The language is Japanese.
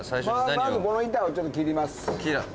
まずこの板をちょっと切ります。